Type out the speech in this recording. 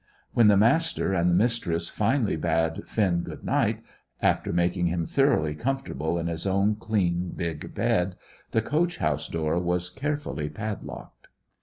When the Master and the Mistress finally bade Finn good night, after making him thoroughly comfortable in his own clean, big bed, the coach house door was carefully padlocked.